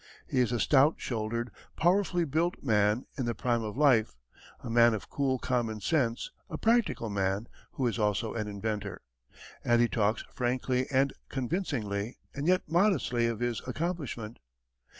He is a stout shouldered, powerfully built man, in the prime of life a man of cool common sense, a practical man, who is also an inventor. And he talks frankly and convincingly, and yet modestly, of his accomplishment.